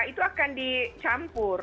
itu akan dicampur